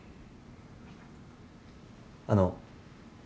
あの。